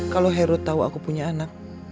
kalau heru tahu aku punya anak